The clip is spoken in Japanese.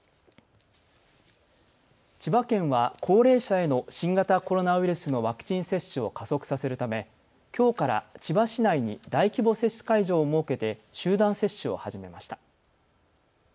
千葉県は高齢者への新型コロナウイルスのワクチン接種を加速させるためきょうから千葉市内に大規模接種会場を設けて集団接種を始めました。